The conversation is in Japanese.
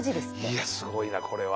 いやすごいなこれは。